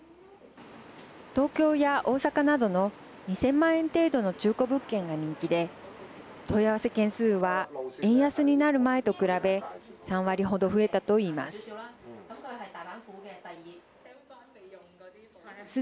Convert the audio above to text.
東京や大阪などの２０００万円程度の中古物件が人気で問い合わせ件数は円安になる前と比べ３割ほど増えたといいます。